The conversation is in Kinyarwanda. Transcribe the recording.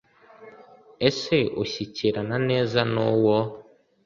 ese ushyikirana neza n uwo